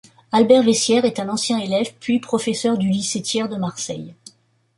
Albert Vayssière est un ancien élève puis professeur du lycée Thiers de Marseille.